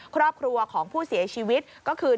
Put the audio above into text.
ครอบครัวของผู้เสียชีวิตก็คือ